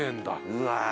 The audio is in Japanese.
うわ